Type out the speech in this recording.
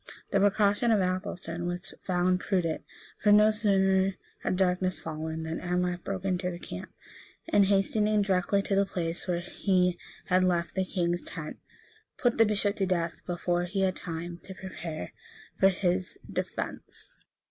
The precaution of Athelstan was found prudent; for no sooner had darkness fallen, than Anlaf broke into the camp, and hastening directly to the place where he had left the king's tent, put the bishop to death, before he had time to prepare for his defence.